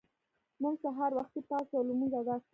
موږ سهار وختي پاڅو او لمونځ ادا کوو